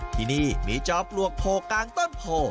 ที่นี่มีจอมปลวกโผล่กลางต้นโพ